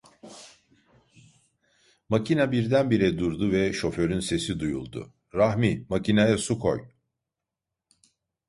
Makine birdenbire durdu ve şoförün sesi duyuldu: "Rahmi… Makineye su koy!"